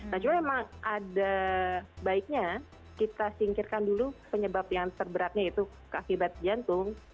nah cuma emang ada baiknya kita singkirkan dulu penyebab yang terberatnya yaitu keakibat jantung